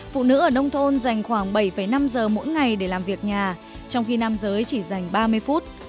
phụ nữ ở nông thôn dành khoảng bảy năm giờ mỗi ngày để làm việc nhà trong khi nam giới chỉ dành ba mươi phút